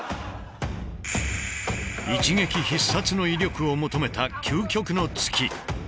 一撃必殺の威力を求めた究極の突き。